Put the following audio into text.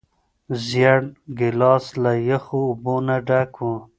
زېړ ګیلاس له یخو اوبو نه ډک و.